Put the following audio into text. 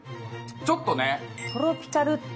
ちょっとね。